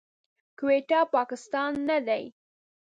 کويټه، پاکستان نه دی.